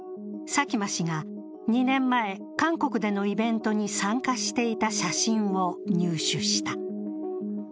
佐喜真氏が２年前、韓国でのイベントに参加していた写真を入手した。